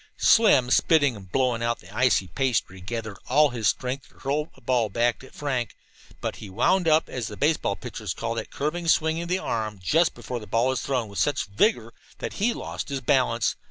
Slim, spitting and blowing out the icy pastry, gathered all his strength to hurl a ball back at Frank. But he "wound up," as baseball pitchers call that curving swinging of the arm just before the ball is thrown, with such vigor that he lost his balance.